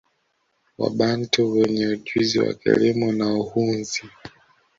Wabantu wenye ujuzi wa kilimo na uhunzi